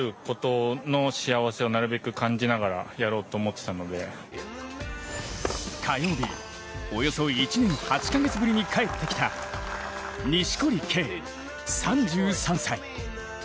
続いては火曜日、およそ１年８か月ぶりに帰ってきた錦織圭、３３歳。